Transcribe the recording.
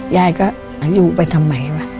ยายก็อยู่ไปทำไมวะ